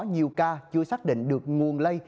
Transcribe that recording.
nhiều ca chưa xác định được nguồn lây